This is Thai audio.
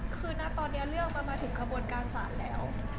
คือนะตอนนี้เรื่องมันมาถึงขบวนการศาลแล้ว